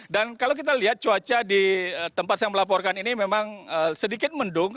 dan kalau kita lihat cuaca di tempat saya melaporkan ini memang sedikit mendung